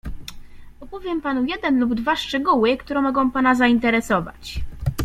"Opowiem panu jeden lub dwa szczegóły, które mogą pana zainteresować."